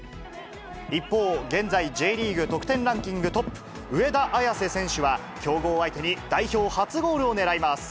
一方、現在、Ｊリーグ得点ランキングトップ、上田綺世選手は、強豪相手に代表初ゴールをねらいます。